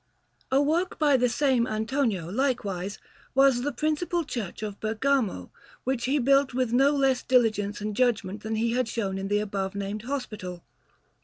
A work by the same Antonio, likewise, was the principal church of Bergamo, which he built with no less diligence and judgment than he had shown in the above named hospital.